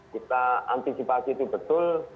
kita antisipasi itu betul